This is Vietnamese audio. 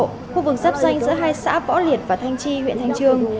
khu vực sắp danh giữa hai xã võ liệt và thanh chi huyện thanh trương